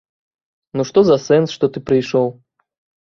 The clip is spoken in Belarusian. Ну што за сэнс, што ты прыйшоў.